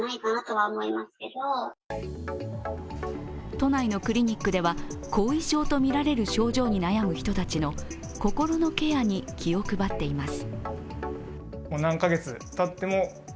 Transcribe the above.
都内のクリニックでは後遺症とみられる症状に悩む人たちの心のケアに気を配っています。